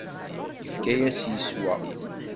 Yefka-yas yeswa.